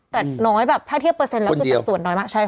แต่น้อยแบบถ้าเทียบเปอร์เซ็นต์แล้วคือสัดส่วนน้อยมากใช่